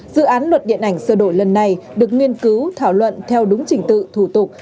dự án luật điện ảnh sơ đổi lần này được nghiên cứu thảo luận theo đúng trình tự thủ tục